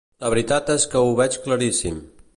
La veritat és que ho veig claríssim.